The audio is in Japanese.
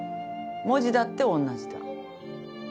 文字だっておんなじだ。